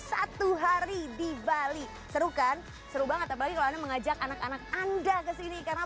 satu hari di bali seru kan seru banget apalagi kalau anda mengajak anak anak anda ke sini karena